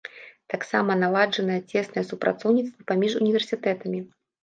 Таксама наладжанае цеснае супрацоўніцтва паміж універсітэтамі.